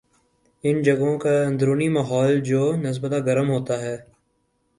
ان جگہوں کا اندرونی ماحول جو نسبتا گرم ہوتا ہے